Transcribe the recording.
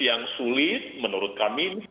yang sulit menurut kami